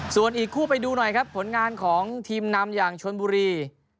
ส่วนอีกคู่ไปดูหน่อยครับผลงานของทีมนำอย่างชนบุรี